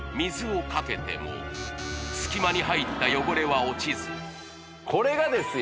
隙間に入った汚れは落ちずこれがですよ